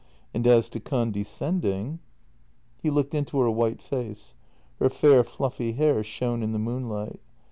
" And as to condescending ..." He looked into her white face; her fair fluffy hair shone in the moonlight.